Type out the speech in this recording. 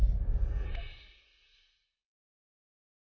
dia juga yang kalau needed pembekal gue